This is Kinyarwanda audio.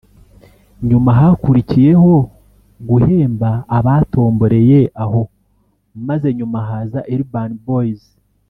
nyuma hakurikiyeho guhemba abatomboreye aho maze nyuma haza Urban boys